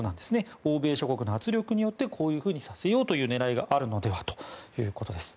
欧米諸国の圧力によってこういうふうにさせようという狙いがあるのではということです。